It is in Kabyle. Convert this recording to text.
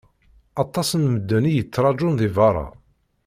Aṭas n medden i yettrajun deg berra.